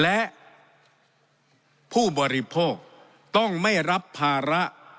และผู้บริโภคต้องไม่รับภาระ